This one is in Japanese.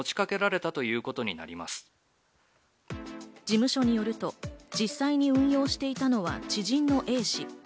事務所によると、実際に運用していたのは知人のＡ氏。